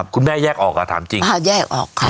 คุณแม่แยกออกหรอถามจริงแยกออกค่ะ